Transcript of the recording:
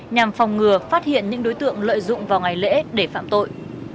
nhằm phòng ngừa phát hiện những đối tượng lợi dụng vào ngày lễ để phạm tội